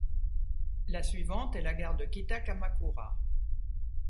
La suivante est la gare de Kita-Kamakura.